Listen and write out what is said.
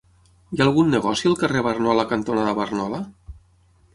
Hi ha algun negoci al carrer Barnola cantonada Barnola?